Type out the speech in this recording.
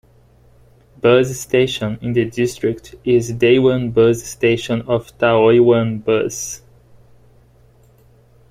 Bus station in the district is Dayuan Bus Station of Taoyuan Bus.